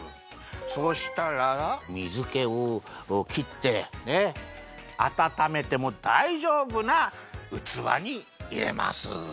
そうしたらみずけをきってあたためてもだいじょうぶなうつわにいれます。